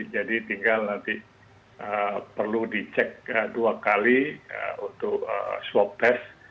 jadi tinggal nanti perlu dicek dua kali untuk swab test